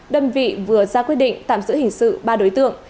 đơn vị vừa ra quyết định tạm giữ hình sự ba đối tượng